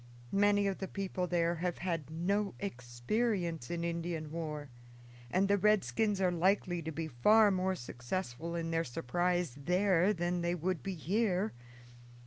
Many of the people there have had no experience in Indian war, and the redskins are likely to be far more successful in their surprise there than they would be here.